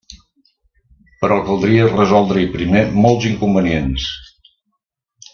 Però caldria resoldre-hi primer molts inconvenients.